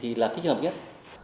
thì là kích hợp nhất